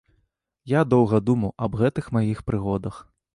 Я доўга думаў аб гэтых маіх прыгодах.